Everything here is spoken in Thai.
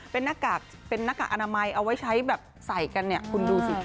เป็นหน้ากากอนามัยเอาไว้ใช้แบบใส่กันเนี่ยคุณดูสิ